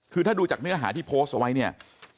คือถ้าดูจากเนื้อหาที่โพสต์เอาไว้เนี่ย